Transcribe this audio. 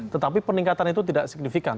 tetapi peningkatan itu tidak signifikan